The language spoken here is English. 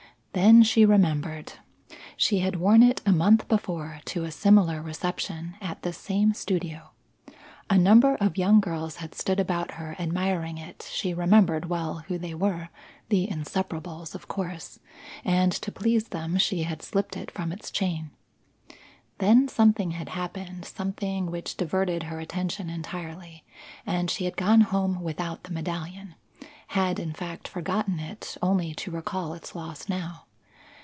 Then she remembered. She had worn it a month before to a similar reception at this same studio. A number of young girls had stood about her admiring it she remembered well who they were; the Inseparables, of course, and to please them she had slipped it from its chain. Then something had happened, something which diverted her attention entirely, and she had gone home without the medallion; had, in fact, forgotten it, only to recall its loss now.